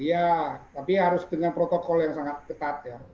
iya tapi harus dengan protokol yang sangat ketat ya